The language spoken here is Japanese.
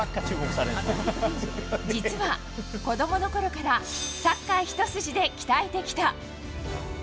実は子供の頃からサッカー一筋で鍛えてきた。